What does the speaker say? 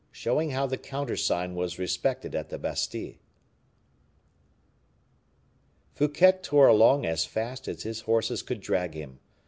Showing How the Countersign Was Respected at the Bastile. Fouquet tore along as fast as his horses could drag him.